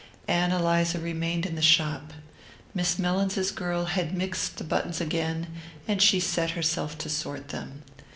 Ann Eliza remained in the shop. Miss Mellins's girl had mixed the buttons again and she set herself to sort them.